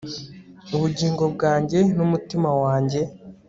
Ubugingo bwanjye numutima wanjye